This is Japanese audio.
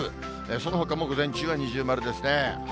そのほかも午前中は二重丸ですね。